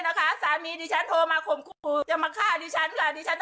ท่านที่บอกดิฉันโทรหาเขาเขาไม่เคยรักสายดิฉันเลยค่ะ